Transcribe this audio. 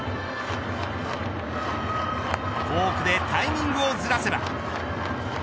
フォークでタイミングをずらせば。